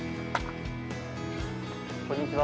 こんにちは。